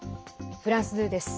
フランス２です。